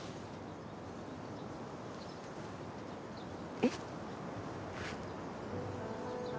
えっ？